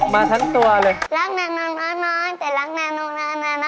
มาทั้งตัวเลยรักแนน้อนน้อนน้อนแต่รักแนน้อนน้อนน้อนนะคะ